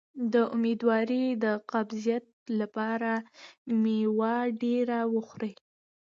د امیدوارۍ د قبضیت لپاره میوه ډیره وخورئ